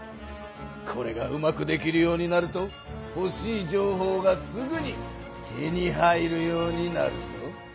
これがうまくできるようになるとほしい情報がすぐに手に入るようになるぞ。